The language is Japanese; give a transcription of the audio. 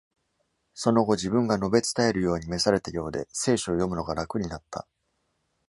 其の後、自分が宣べ伝えるように召されたようで，聖書を読むのが楽になった。